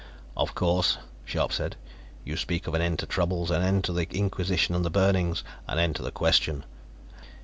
"Of course," Scharpe said. "You speak of an end to troubles, an end to the Inquisition and the burnings, an end to the question.